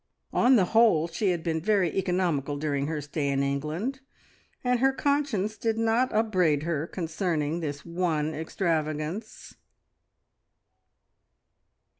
On the whole she had been very economical during her stay in England, and her conscience did not upbraid her concerning this one extravagance.